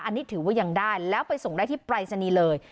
อันนี้ถือว่ายังได้แล้วไปส่งได้ที่ปรายศนีย์เลย